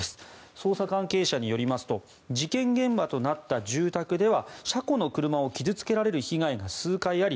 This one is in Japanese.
捜査関係者によりますと事件現場となった住宅では車庫の車を傷付けられる被害が数回あり